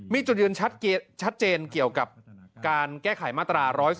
มีจุดยืนชัดเจนเกี่ยวกับการแก้ไขมาตรา๑๑๒